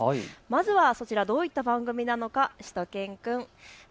まずはそちら、どういった番組なのか、しゅと犬くん。